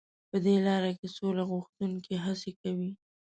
په دې لاره کې سوله غوښتونکي هڅې کوي.